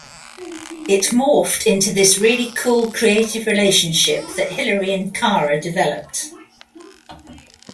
It morphed into this really cool creative relationship that Hilary and Kara developed.